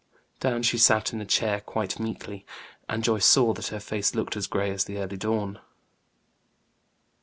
Down she sat in a chair quite meekly, and Joyce saw that her face looked as gray as the early dawn.